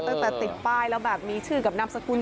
ตั้งแต่ติดป้ายแล้วแบบมีชื่อกับนามสกุล